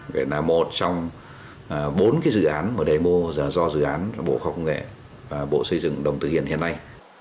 để là một trong bốn cái dự án mà đề mô do dự án bộ khoa học công nghệ và bộ xây dựng đồng thực hiện hiện nay